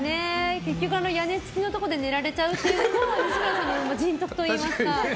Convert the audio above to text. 結局、屋根付きのところで寝られちゃうというのも西村さんの人徳といいますか。